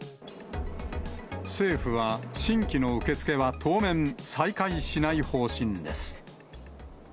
政府は新規の受け付けは当面再開しない方針です。